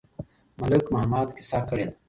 ملک محمد قصه کړې ده.